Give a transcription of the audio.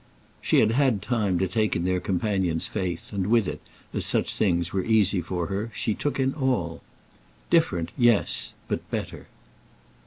She had had time to take in their companion's face; and with it, as such things were easy for her, she took in all. "Different—yes. But better!"